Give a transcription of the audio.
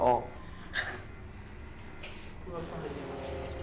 เออเหงื่อออก